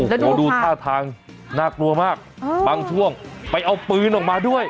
โอ้โหดูท่าทางน่ากลัวมากบางช่วงไปเอาปืนออกมาด้วย